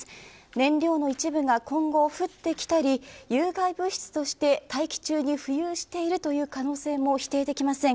燃料の一部が今後、降ってきたり有害物質として大気中に浮遊しているという可能性も否定できません。